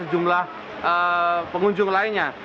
sejumlah pengunjung lainnya